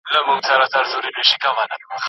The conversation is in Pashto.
موږ غواړو چې خپله ټولنه روښانه کړو.